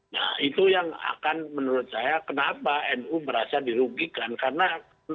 nah itu yang akan menurut saya kenapa nu merasa dirugikan karena